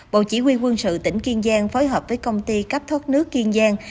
bộ chỉ huy quân sự tỉnh kiên giang phối hợp với công ty cấp thoát nước kiên giang